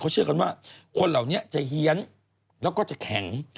เชื่อกันว่าคนเหล่านี้จะเฮียนแล้วก็จะแข็ง